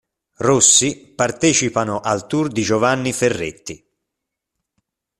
Rossi partecipano al tour di Giovanni Ferretti.